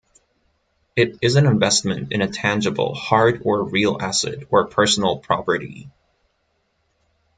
It is an investment in a tangible, hard or real asset or personal property.